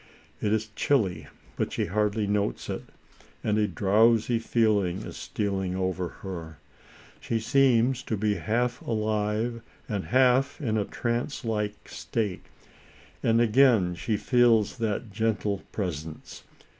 It is chilly, but she hardly notes it, and a drowsy feeling is stealing over her. She seems to be half alive and half in a trance like state, and again she feels that gentle presence.